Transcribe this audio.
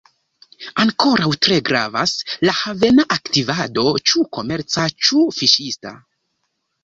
Ankoraŭ tre gravas la havena aktivado, ĉu komerca, ĉu fiŝista.